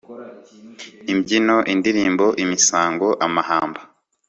imbyino , indirimbo, imisango, amahamba